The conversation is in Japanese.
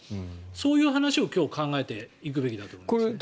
そういう話を今日考えていくべきだと思いますね。